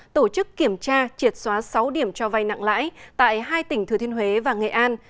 tổ chức kiểm tra triệt xóa sáu điểm cho vay nặng lãi tại hai tỉnh thừa thiên huế và nghệ an